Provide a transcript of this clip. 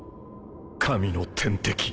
神の天敵